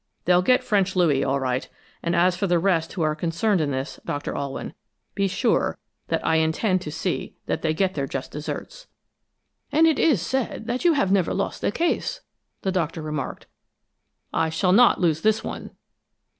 They'll get French Louis, all right. And as for the rest who are concerned in this, Doctor Alwyn, be sure that I intend to see that they get their just deserts." "And it is said that you have never lost a case!" the Doctor remarked. "I shall not lose this one."